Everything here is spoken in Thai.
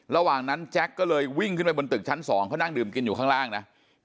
ระหว่างนั้นแจ็คก็เลยวิ่งขึ้นไปบนตึกชั้น๒เขานั่งดื่มกินอยู่ข้างล่างนะ